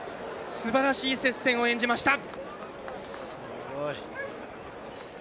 すばらしい接戦を演じました。